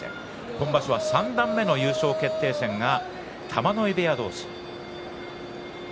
今場所は三段目の優勝決定戦が玉ノ井部屋同士です。